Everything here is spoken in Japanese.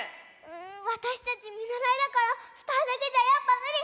わたしたちみならいだからふたりだけじゃやっぱむり！